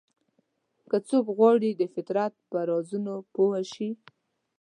که څوک غواړي د فطرت په رازونو پوه شي.